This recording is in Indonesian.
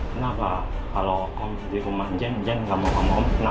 kenapa kalau kamu di rumah jen jen gak mau ngomong kenapa